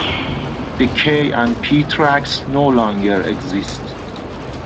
The K and P tracks no longer exist.